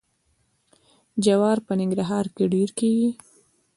جوار په ننګرهار کې ډیر کیږي.